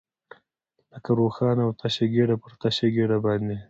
لکه روښانه او تشه ګېډه، پر تشه ګېډه باندې.